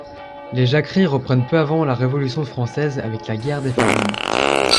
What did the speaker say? Les jacqueries reprennent peu avant la Révolution française avec la guerre des farines.